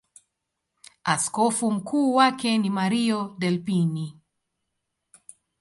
Askofu mkuu wake ni Mario Delpini.